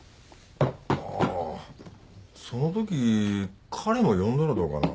あそのとき彼も呼んだらどうかな？